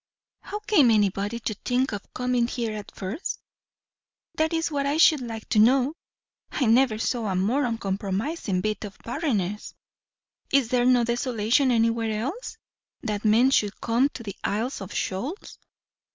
"How came anybody to think of coming here at first? that is what I should like to know. I never saw a more uncompromising bit of barrenness. Is there no desolation anywhere else, that men should come to the Isles of Shoals?"